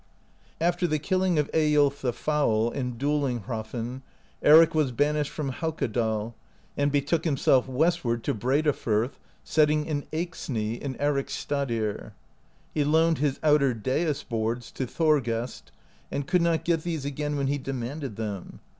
After the killing of Eyiulf the Foul, and Duelling Hrafn, Eric was banished from Haukadal, and betook himself westward to Breidafirth, settling in Eyxney at Ericsstadir. He loaned his outer dais boards to Thor gest, and could not get these again when he demanded them.